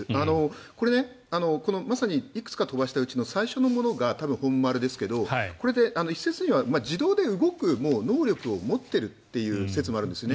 これ、まさにいくつか飛ばしたうちの最初のものが多分、本丸ですけどこれ、一説には自動で動く能力を持っているという説もあるんですよね。